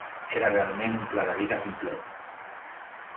Era realment un pla de vida complet.